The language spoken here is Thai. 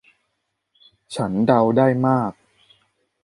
ฉันเดาได้มาก